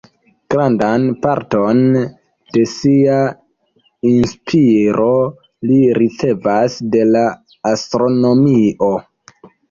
Grandan parton de sia inspiro li ricevas de la astronomio.